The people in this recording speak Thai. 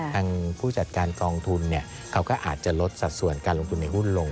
ทางผู้จัดการกองทุนเขาก็อาจจะลดสัดส่วนการลงทุนในหุ้นลง